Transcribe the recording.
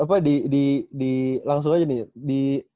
apa di di di langsung aja nih